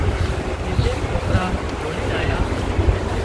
ايٽليڪ سوڪرا ڌوڙينَ آيا